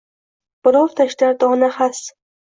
Birov tashlar dona xas.